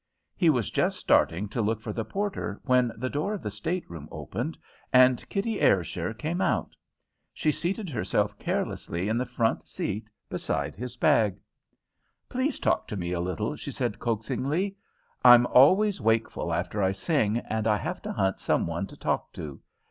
He was just starting to look for the porter when the door of the state room opened and Kitty Ayrshire came out. She seated herself carelessly in the front seat beside his bag. "Please talk to me a little," she said coaxingly. "I'm always wakeful after I sing, and I have to hunt some one to talk to.